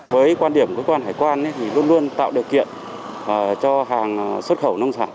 với quan điểm của cơ quan hải quan thì luôn luôn tạo điều kiện cho hàng xuất khẩu nông sản